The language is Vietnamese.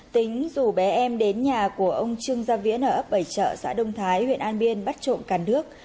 tính dù bé em đến nhà của ông trương gia viễn ở ấp bảy chợ xã đông thái huyện an biên bắt trộm cả nước